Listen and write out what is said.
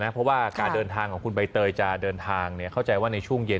เพราะว่าการเดินทางของคุณใบเตยจะเดินทางเข้าใจว่าในช่วงเย็น